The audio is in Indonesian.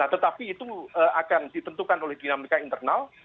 tetapi itu akan ditentukan oleh dinamika internal